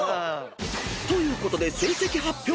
［ということで成績発表］